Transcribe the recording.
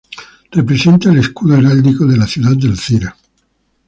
Representa el escudo heráldico de la ciudad de Alcira.